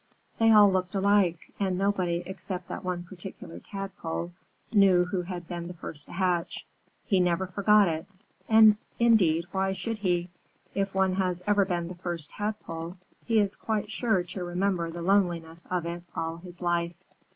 They all looked alike, and nobody except that one particular Tadpole knew who had been the first to hatch. He never forgot it, and indeed why should he? If one has ever been the First Tadpole, he is quite sure to remember the loneliness of it all his life.